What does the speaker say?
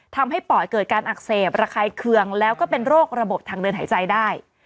ปอดเกิดการอักเสบระคายเคืองแล้วก็เป็นโรคระบบทางเดินหายใจได้